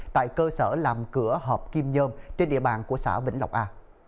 tại cơ sở làm cửa hợp kim nhôm trên địa bàn của xã vĩnh lộc a